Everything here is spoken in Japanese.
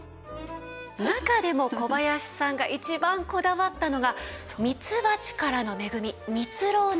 中でも小林さんが一番こだわったのがミツバチからの恵みミツロウなんですよね？